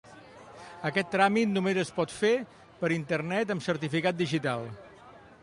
Aquest tràmit només es pot fer per internet amb certificat digital.